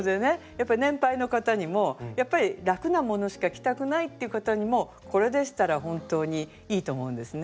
やっぱり年配の方にも楽なものしか着たくないっていう方にもこれでしたら本当にいいと思うんですね。